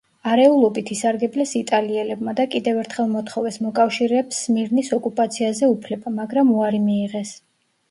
არეულობით ისარგებლეს იტალიელებმა და კიდევ ერთხელ მოთხოვეს მოკავშირეებს სმირნის ოკუპაციაზე უფლება, მაგრამ უარი მიიღეს.